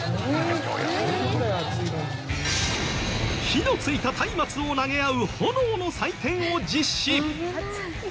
火のついたたいまつを投げ合う炎の祭典を実施。